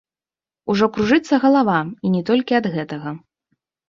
Ужо кружыцца галава і не толькі ад гэтага.